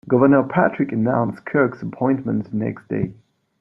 Governor Patrick announced Kirk's appointment the next day.